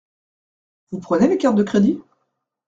Vous prenez les cartes de crédit ?